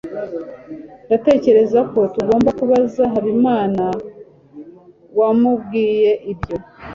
Ndatekereza ko tugomba kubaza Habimana wamubwiye ibyo.